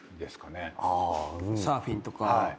サーフィンとか。